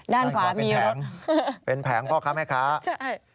ด้านขวามีรถเป็นแผงพ่อข้าวแม่ค้า้าาาาา